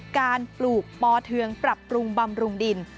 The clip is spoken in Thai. ปลูกปอเทืองปรับปรุงบำรุงดิน